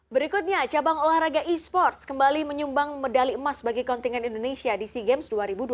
berikutnya cabang olahraga e sports kembali menyumbang medali emas bagi kontingen indonesia di sea games dua ribu dua puluh tiga